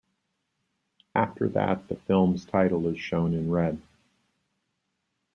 After that, the film's title is shown in red.